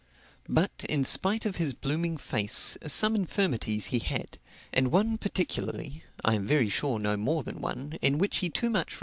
But, in spite of his blooming face, some infirmities he had; and one particularly (I am very sure, no more than one,) in which he too much resembled a crocodile.